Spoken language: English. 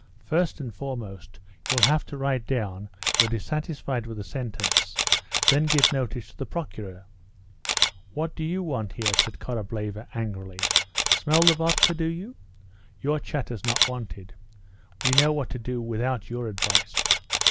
"First and foremost, you'll have to write down you're dissatisfied with the sentence, then give notice to the Procureur." "What do you want here?" said Korableva angrily; "smell the vodka, do you? Your chatter's not wanted. We know what to do without your advice."